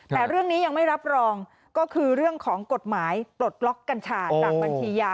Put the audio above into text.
แต่เรื่องนี้ยังไม่รับรองก็คือเรื่องของกฎหมายปลดล็อกกัญชาจากบัญชียา